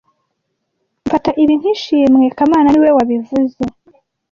Mfata ibi nkishimwe kamana niwe wabivuze